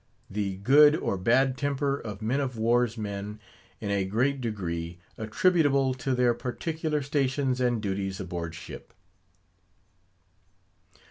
THE GOOD OR BAD TEMPER OF MEN OF WAR'S MEN, IN A GREAT DEGREE, ATTRIBUTABLE TO THEIR PARTICULAR STATIONS AND DUTIES ABOARD SHIP.